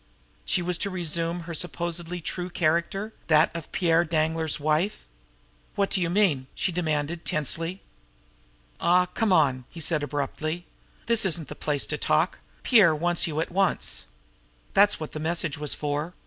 She was to resume her supposedly true character that of Pierre Danglar's wife! "What do you mean?" she demanded tensely. "Aw, come on!" he said abruptly. "This isn't the place to talk. Pierre wants you at once. That's what the message was for.